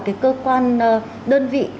cái cơ quan đơn vị